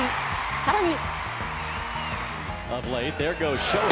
更に。